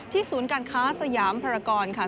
ศูนย์การค้าสยามภารกรค่ะ